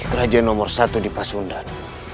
kerajaan nomor satu di pasundan